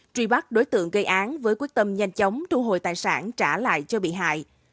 truy bắt đối tượng gây án với quyết tâm nhanh chóng thu hồi tài sản trả lại cho bị hại